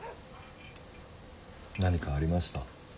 何かありました？